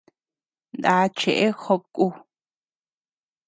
Nda cheʼe jobe ku.